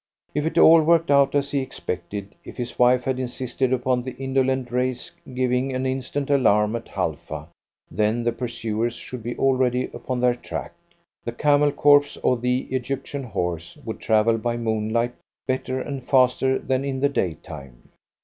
If it all worked out as he expected, if his wife had insisted upon the indolent reis giving an instant alarm at Halfa, then the pursuers should be already upon their track. The Camel Corps or the Egyptian Horse would travel by moonlight better and faster than in the day time.